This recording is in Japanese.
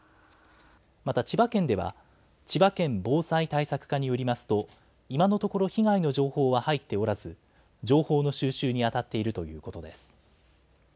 また千葉県では千葉県防災対策課によりますと今のところ被害の情報は入っておらず情報の収集にあたっているということです。